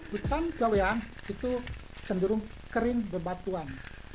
hutan bawean itu cenderung kering berbatuan